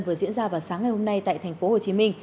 vừa diễn ra vào sáng ngày hôm nay tại tp hcm